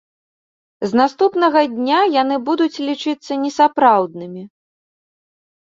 З наступнага дня яны будуць лічыцца несапраўднымі.